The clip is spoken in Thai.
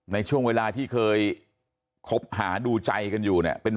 ในช่วงเวลาที่เคยคบหาดูใจกันอยู่เนี่ย